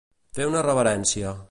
Fer una reverència.